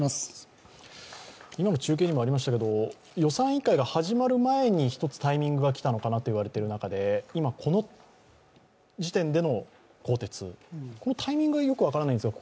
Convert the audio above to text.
今の中継にもありましたけど予算委員会が始まる前に一つタイミングが来たのかなと思いますが今この時点での更迭、このタイミングがよく分からないんですが？